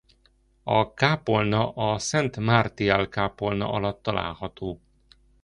A kápolna a Szent Martial-kápolna alatt található.